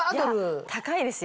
いや高いですよ。